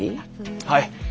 はい。